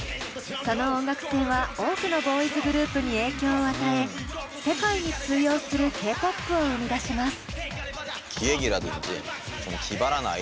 その音楽性は多くのボーイズグループに影響を与え世界に通用するＫーＰＯＰを生み出します。